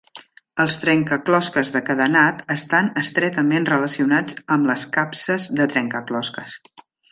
Els trencaclosques de cadenat estan estretament relacionats amb les capses de trencaclosques.